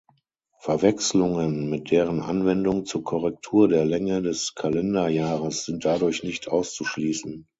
Verwechslungen mit deren Anwendung zur Korrektur der Länge des Kalender-Jahres sind dadurch nicht auszuschließen.